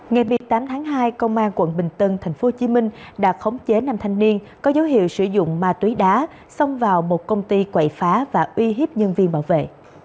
ngày một mươi tám tháng hai công an quận bình tân tp hcm đã khống chế năm thanh niên có dấu hiệu sử dụng ma túy đá xông vào một công ty quậy phá và uy hiếp nhân viên bảo vệ